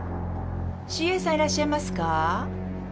ＣＡさんいらっしゃいますか？